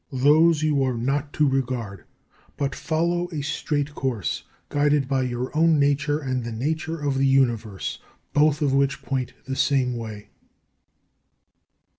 These you are not to regard, but follow a straight course, guided by your own nature and the nature of the Universe, both of which point the same way.